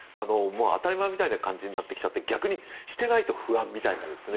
当たり前みたいな感じになってきちゃって逆に、してないと不安みたいな。